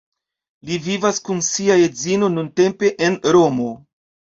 Li vivas kun sia edzino nuntempe en Romo.